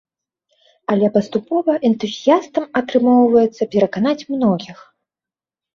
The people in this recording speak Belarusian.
Але паступова энтузіястам атрымоўваецца пераканаць многіх.